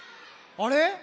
あれ？